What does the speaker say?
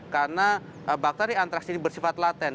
karena bakteri antraks ini bersifat laten